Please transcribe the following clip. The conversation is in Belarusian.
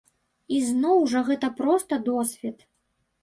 І зноў жа гэта проста досвед.